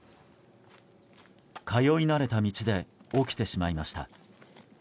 通い慣れた道で起きてしまいました。